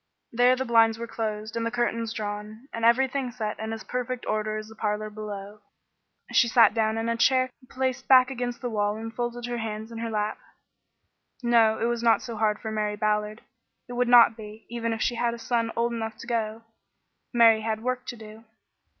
There the blinds were closed and the curtains drawn, and everything set in as perfect order as in the parlor below. She sat down in a chair placed back against the wall and folded her hands in her lap. No, it was not so hard for Mary Ballard. It would not be, even if she had a son old enough to go. Mary had work to do.